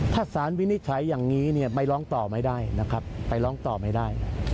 ถ้าสารวินิจฉัยอย่างนี้ไม่ร้องต่อไม่ได้นะครับไปร้องต่อไม่ได้